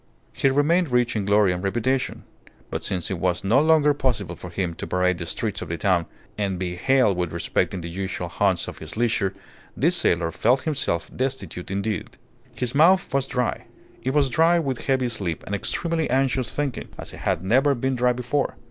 He remained rich in glory and reputation. But since it was no longer possible for him to parade the streets of the town, and be hailed with respect in the usual haunts of his leisure, this sailor felt himself destitute indeed. His mouth was dry. It was dry with heavy sleep and extremely anxious thinking, as it had never been dry before.